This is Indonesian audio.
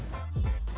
nanti kita dihubungin